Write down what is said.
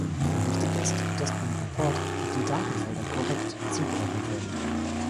Wichtig ist, dass beim Import die Datenfelder korrekt zugeordnet werden.